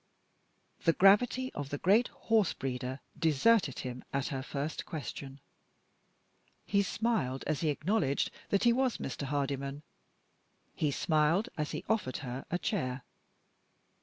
The gravity of the great horse breeder deserted him at her first question. He smiled as he acknowledged that he was "Mr. Hardyman" he smiled as he offered her a chair.